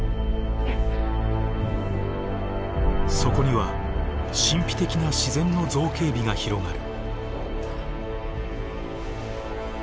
そこには神秘的な自然の造形美が広がる。